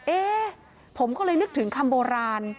เอ๊ะผมก็เลยนึกถึงคำโบราณ